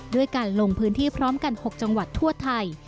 ด้วยการลงพื้นที่พร้อมกัน๖จังหวัดทั่วไทย